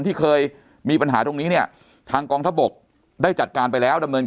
ที่เคยมีปัญหาตรงนี้เนี่ยทางกองทบกได้จัดการไปแล้วดำเนิน